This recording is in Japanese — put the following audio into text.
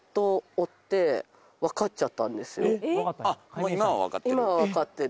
もう今は分かってる？